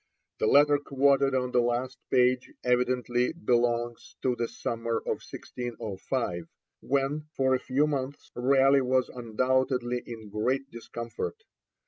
The letter quoted on the last page evidently belongs to the summer of 1605, when, for a few months, Raleigh was undoubtedly in great discomfort.